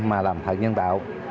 mà làm thận nhân tạo